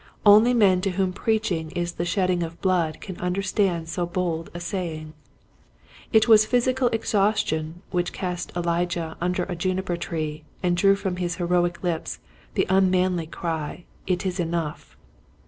Only men to whom preaching is the shedding of blood can understand so bold a saying. It was physical exhaustion which cast Elijah under a juniper tree and drew from his heroic lips the unmanly cry *' It is enough